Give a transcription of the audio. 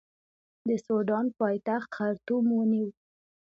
د سوډان پایتخت خرطوم ونیو.